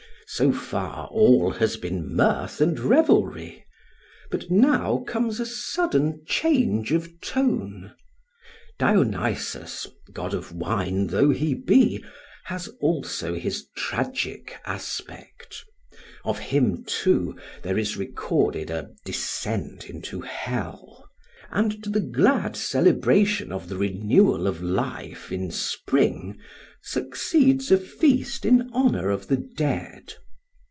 So far all has been mirth and revelry; but now comes a sudden change of tone. Dionysus, god of wine though he be, has also his tragic aspect; of him too there is recorded a "descent into hell"; and to the glad celebration of the renewal of life in spring succeeds a feast in honour of the dead.